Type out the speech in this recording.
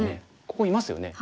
ここいますよね。